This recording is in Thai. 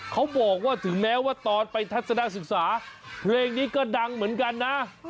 เขาบอกว่าถึงแม้ว่าตอนไปทัศนศึกษาเพลงนี้ก็ดังเหมือนกันนะ